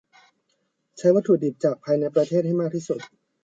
ใช้วัตถุดิบจากภายในประเทศให้มากที่สุด